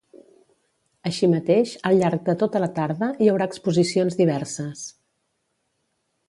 Així mateix, al llarg de tota la tarda, hi haurà exposicions diverses.